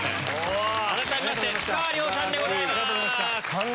改めましてふかわりょうさんでございます。